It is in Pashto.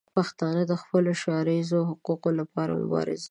پښتانه د خپلو ښاریزو حقونو لپاره مبارزه کوي.